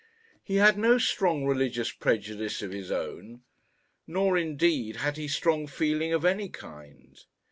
He had no strong religious prejudice of his own, nor indeed had he strong feeling of any kind.